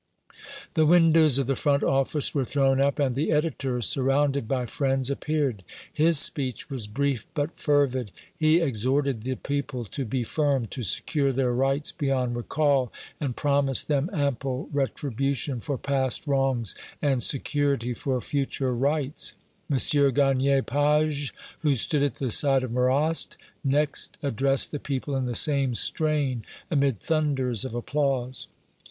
The windows of the front office were thrown up, and the editor, surrounded by friends, appeared. His speech was brief but fervid. He exhorted the people to be firm to secure their rights beyond recall and promised them ample retribution for past wrongs and security for future rights. M. Garnier Pages, who stood at the side of Marrast, next addressed the people in the same strain, amid thunders of applause.